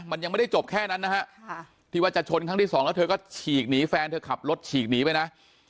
มันยังไม่ได้จบแค่นั้นนะฮะที่ว่าจะชนครั้งที่สองแล้วเธอก็ฉีกหนีแฟนเธอขับรถฉีกหนีไปนะ